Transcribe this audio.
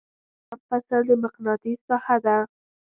دریم فصل د مقناطیس ساحه ده.